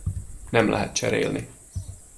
Nem lehet cserélni.